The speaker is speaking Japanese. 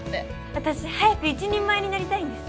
私早く一人前になりたいんです！